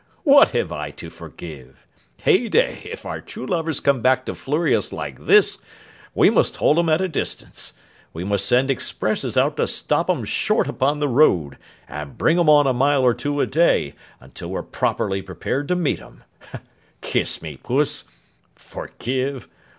What have I to forgive? Heyday, if our true lovers come back to flurry us like this, we must hold 'em at a distance; we must send expresses out to stop 'em short upon the road, and bring 'em on a mile or two a day, until we're properly prepared to meet 'em. Kiss me, Puss. Forgive!